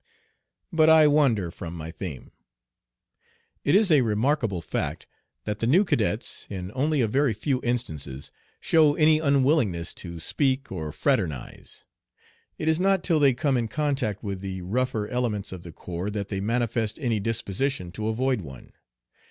But I wander from my theme. It is a remarkable fact that the new cadets, in only a very few instances, show any unwillingness to speak or fraternize. It is not till they come in contact with the rougher elements of the corps that they manifest any disposition to avoid one.